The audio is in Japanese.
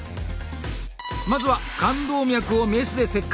まずは冠動脈をメスで切開。